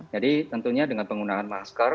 jadi tentunya dengan penggunaan masker